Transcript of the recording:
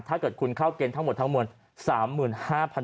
ถ้าเกิดคุณเข้าเกณฑ์ทั้งหมดทั้งหมด